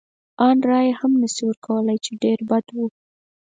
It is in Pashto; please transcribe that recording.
ان رایه هم نه شي ورکولای، چې ډېر بد و.